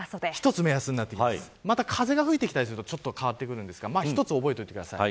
また風が吹いてきたりすると変わってくるんですが一つ覚えておいてください。